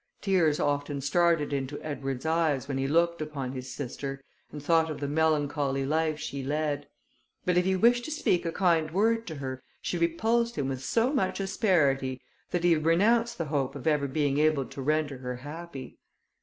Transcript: Tears often started into Edward's eyes, when he looked upon his sister, and thought of the melancholy life she led; but if he wished to speak a kind word to her, she repulsed him with so much asperity, that he renounced the hope of ever being able to render her happy.